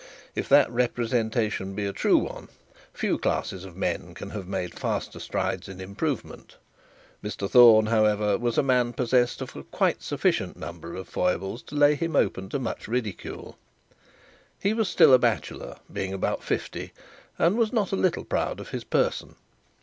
If that representation be a true one, few classes of men can have made faster strides in improvement. Mr Thorne, however, was a man possessed of quite a sufficient number of foibles to lay him open to much ridicule. He was still a bachelor, being about fifty, and was not a little proud of his person.